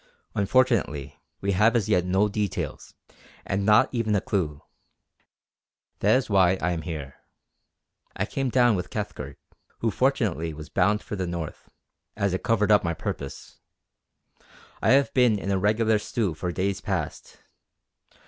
Unfortunately we have as yet no details, and not even a clue. That is why I am here. I came down with Cathcart, who fortunately was bound for the North, as it covered up my purpose. I have been in a regular stew for days past.